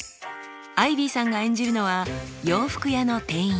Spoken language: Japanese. アイビーさんが演じるのは洋服屋の店員。